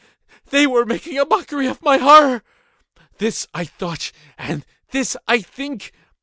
—they were making a mockery of my horror!—this I thought, and this I think.